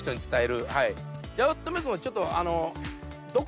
八乙女君はちょっと。